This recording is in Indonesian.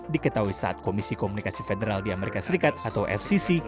diketahui saat komisi komunikasi federal di amerika serikat atau fcc